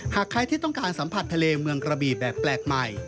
หากใครที่ต้องการสัมผัสทะเลเมืองกระบีแบบแปลกใหม่